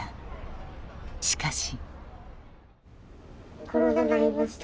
しかし。